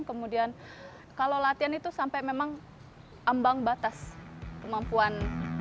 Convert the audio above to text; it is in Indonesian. kemudian kalau latihan itu sampai memang ambang batas kemampuan